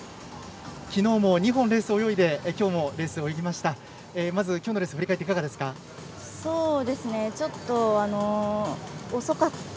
昨日も２本レースを泳いで今日もレースを泳ぎました。